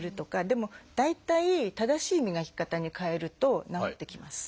でも大体正しい磨き方に変えると治ってきます。